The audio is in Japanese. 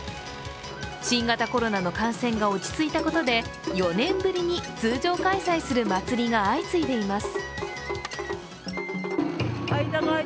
新型コロナの感染が落ち着いたことで４年ぶりに通常開催する祭りが相次いでいます。